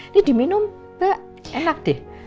ini diminum bak enak deh